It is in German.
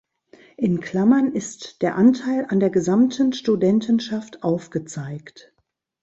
In Klammern ist der Anteil an der gesamten Studentenschaft aufgezeigt.